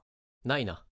ないな。